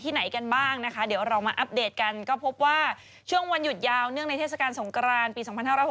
อ๋อที่แบบยาวมาเลยใช่ไหมเออเออเออหน้าไป